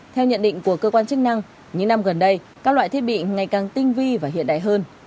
theo nhận định của cơ quan chức năng những năm gần đây các loại thiết bị ngày càng tinh vi và hiện đại hơn